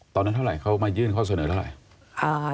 เท่าไหร่เขามายื่นข้อเสนอเท่าไหร่